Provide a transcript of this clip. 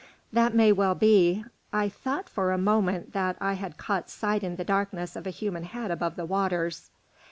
"That may well be, I thought for a moment that I had caught sight in the darkness of a human head above the waters."